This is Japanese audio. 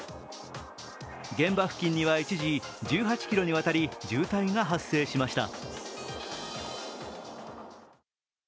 現場付近には一時、１８ｋｍにわたり渋滞が発生しました。